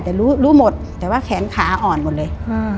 แต่รู้รู้หมดแต่ว่าแขนขาอ่อนหมดเลย